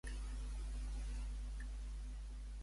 Quan es va cavar?